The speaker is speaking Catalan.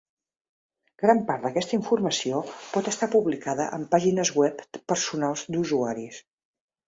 Gran part d'aquesta informació pot estar publicada en pàgines web personals d'usuaris.